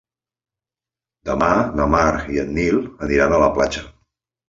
Demà na Mar i en Nil aniran a la platja.